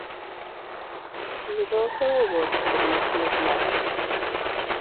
He was also awarded the Legion of Merit.